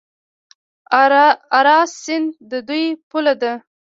اراس سیند د دوی پوله ده.